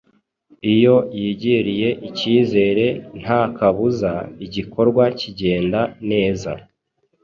iyo yigiriye icyizere nta kabuza igikorwa kigenda neza.